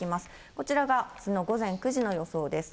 こちらが、その午前９時の予想です。